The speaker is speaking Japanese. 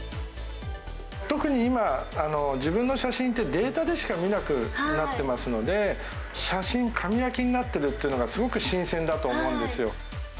特に今、自分の写真ってデータでしか見なくなってますので、写真、紙焼きになってるっていうのが、すごく新鮮だと思うんですよ。